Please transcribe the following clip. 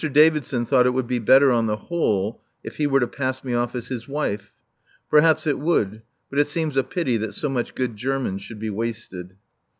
Davidson thought it would be better on the whole if he were to pass me off as his wife. Perhaps it would, but it seems a pity that so much good German should be wasted.